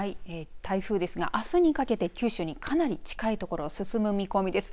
台風ですがあすにかけて九州にかなり近い所を進む見込みです。